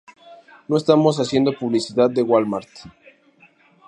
No estamos haciendo publicidad de Wal Mart.